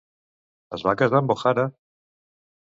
Es va casar amb OHara?